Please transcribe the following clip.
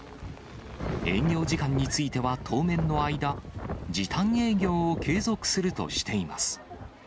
営業時間については当面の間、時短営業を継続するとしています。